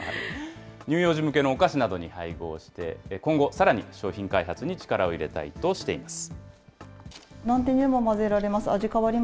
乳幼児向けのお菓子などに配合して、今後さらに商品開発に力を入れたいとしています。